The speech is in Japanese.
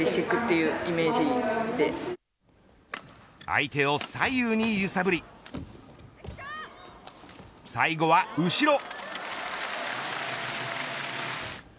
相手を左右に揺さぶり最後は後ろ。